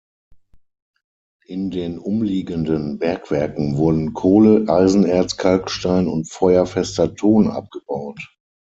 In den umliegenden Bergwerken wurden Kohle, Eisenerz, Kalkstein und feuerfester Ton abgebaut.